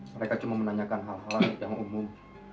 mereka cuma menanyakan hal hal yang umum